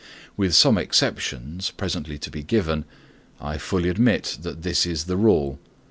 With some exceptions, presently to be given, I fully admit that this is the rule.